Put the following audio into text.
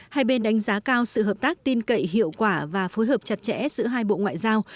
hai bên đánh giá cao sự hợp tác tin cậy hiệu quả và phối hợp chặt chẽ giữa hai bộ ngoại giao